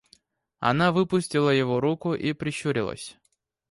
Она выпустила его руку и прищурилась.